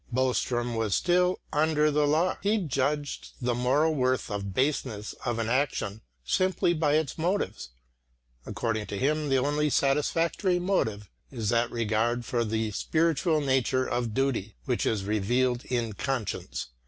Boström was still "under the law"; he judged the moral worth or baseness of an action simply by its motives; according to him the only satisfactory motive is that regard for the spiritual nature of duty which is revealed in conscience.